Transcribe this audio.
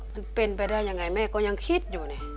มันเป็นไปได้อย่างไรแม่ก็ยังคิดอยู่